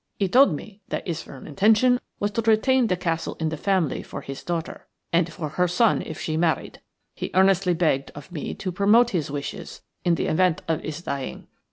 He told me that his firm intention was to retain the castle in the family for his daughter, and for her son if she married. He earnestly begged of me to promote his wishes in the event of his dying.